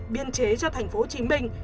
biên chế cho thành phố hồ chí minh